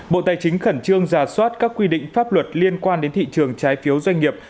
bộ tài chính khẩn trương giả soát các quy định pháp luật liên quan đến thị trường trái phiếu doanh nghiệp